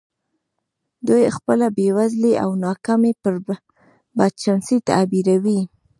دوی خپله بېوزلي او ناکامي پر بد چانسۍ تعبیروي